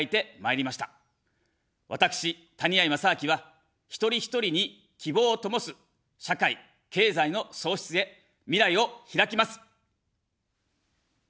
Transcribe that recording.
私、谷あい正明は、一人ひとりに希望を灯す社会・経済の創出へ、未来をひらきます。